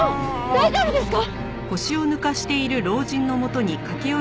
大丈夫ですか！？